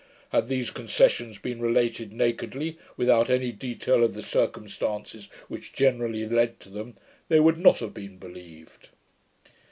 Had these concessions been related nakedly, without any detail of the circumstances which generally led to them, they would not have been believed.'